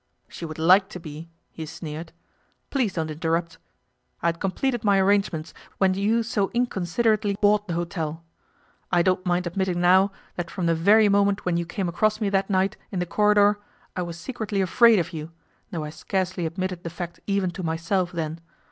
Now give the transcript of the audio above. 'She would like to be,' he sneered. 'Please don't interrupt. I had completed my arrangements, when you so inconsiderately bought the hotel. I don't mind admitting now that from the very moment when you came across me that night in the corridor I was secretly afraid of you, though I scarcely admitted the fact even to myself then.